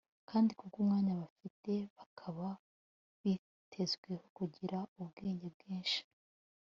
kandi kubw'umwanya bafite bakaba bitezweho kugira ubwenge bwinshi